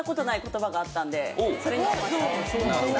それにしました。